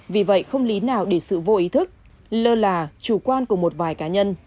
vì vậy không lý nào để sự vô ý thức lơ là chủ quan của một vài cá nhân